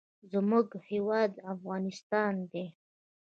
زموږ هیواد افغانستان دی.